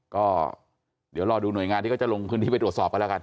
ก็เดี๋ยวรอดูหน่วยงานที่เขาจะลงพื้นที่ไปตรวจสอบกันแล้วกัน